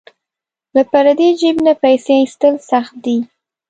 له پردي جیب نه پیسې ایستل سخت دي.